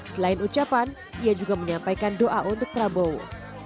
selain ucapan ia juga menyampaikan doa untuk prabowo